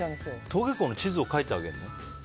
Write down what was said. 登下校の地図を描いてあげるの？